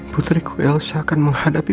putriku elsa akan menghadapi